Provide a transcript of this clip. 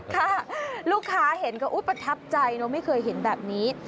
ค่ะลูกค้าเห็นก็อุ๊ยประทับใจเนอะไม่เคยเห็นแบบนี้